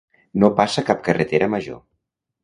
No passa cap carretera major.